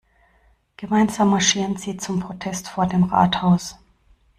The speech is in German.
Gemeinsam marschieren sie zum Protest vor dem Rathaus.